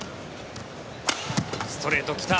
ストレート、来た。